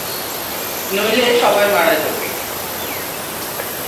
নইলে সবাই মারা যাবি।